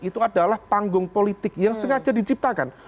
itu adalah panggung politik yang sengaja diciptakan